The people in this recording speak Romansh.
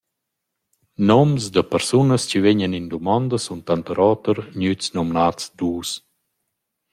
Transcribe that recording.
Noms da persunas chi vegnan in dumonda sun tanter oter gnüts nomnats duos.